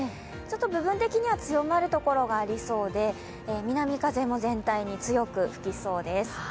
部分的には強まる所がありそうで南風も全体に強く吹きそうです。